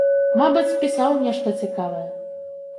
Мабыць, пісаў нешта цікавае.